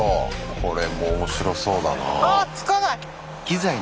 これも面白そうだな。